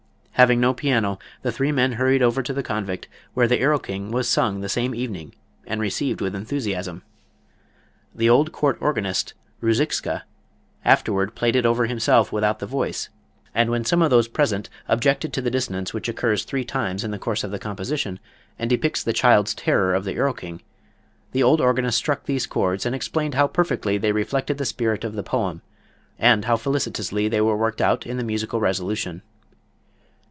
Having no piano, the three men hurried over to the Convict, where the "Erlking" was sung the same evening and received with enthusiasm. The old Court organist, Ruziczka, afterward played it over himself without the voice, and when some of those present objected to the dissonance which occurs three times in the course of the composition and depicts the child's terror of the Erlking, the old organist struck these chords and explained how perfectly they reflected the spirit of the poem and how felicitously they were worked out in their musical resolution.